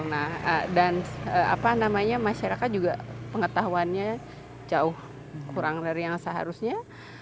nah dan apa namanya masyarakat juga pengetahuannya jauh kurang dari yang seharusnya